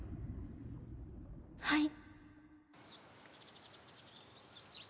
はい。